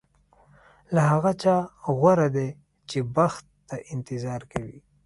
له هغه چا غوره دی چې بخت ته انتظار کوي.